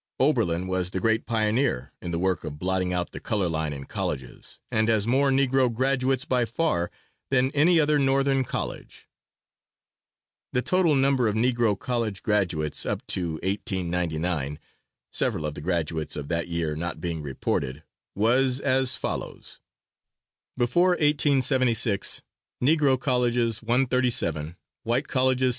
Oberlin was the great pioneer in the work of blotting out the color line in colleges, and has more Negro graduates by far than any other Northern college. The total number of Negro college graduates up to 1899, (several of the graduates of that year not being reported), was as follows: ++ |Negro Colleges.| White Colleges.